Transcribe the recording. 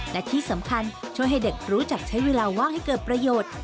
และที่สำคัญช่วยให้เด็กรู้จักใช้เวลาว่างให้เกิดประโยชน์